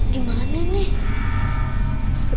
tidak tidak tidak